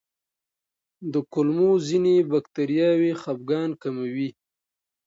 د کولمو ځینې بکتریاوې خپګان کموي.